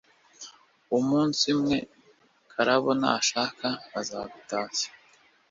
umunsi umwe, karabo na shaka baza gutashya,